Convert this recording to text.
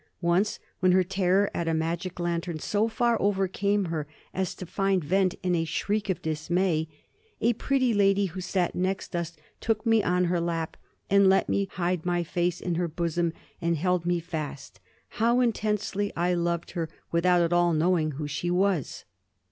Once when her terror at a magic lantern so far overcame her as to find vent in a shriek of dismay, "a pretty lady, who sat next us, took me on her lap, and let me hide my face in her bosom, and held me fast. How intensely I loved her, without at all knowing who she was."